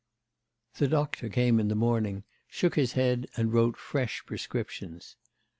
The doctor came in the morning, shook his head and wrote fresh prescriptions.